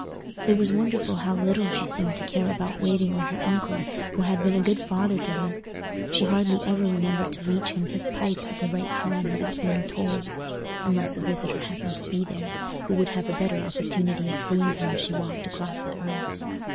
It was wonderful how little she seemed to care about waiting on her uncle, who had been a good father to her—she hardly ever remembered to reach him his pipe at the right time without being told, unless a visitor happened to be there, who would have a better opportunity of seeing her as she walked across the hearth.